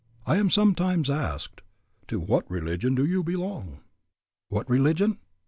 I am sometimes asked, "To what religion do you belong?" What religion?